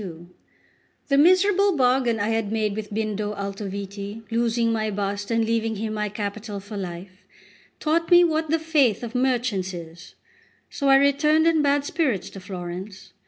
LXXXII THE MISERABLE bargain I had made with Bindo Altoviti, losing my bust and leaving him my capital for life, taught me what the faith of merchants is; so I returned in bad spirits to Florence.